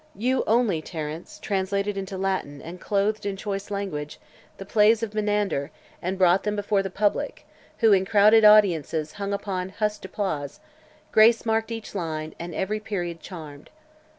"You, only, Terence, translated into Latin, and clothed in choice language the plays of Menander, and brought them before the public, who, in crowded audiences, hung upon hushed applause Grace marked each line, and every period charmed."